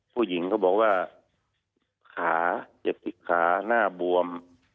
ผู้หญิงเขาบอกว่าขาเจ็บขาหน้าบวม